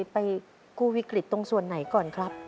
ไปกู้วิกฤตตรงส่วนไหนก่อนครับ